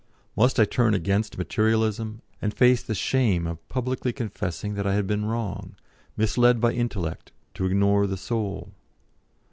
Must I turn against Materialism, and face the shame of publicly confessing that I had been wrong, misled by intellect to ignore the Soul?